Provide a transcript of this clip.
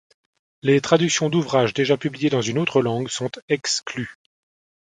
Les traductions d’ouvrages déjà publiées dans une autre langue sont exclues.